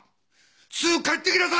すぐ帰ってきなさい！